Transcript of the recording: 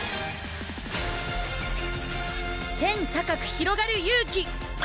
天高くひろがる勇気！